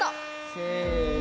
せの！